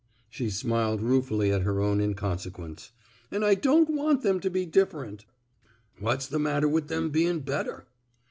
She smiled ruefully at her own inconsequence. '* And I don't want them to be different." What's the matter with them bein' better?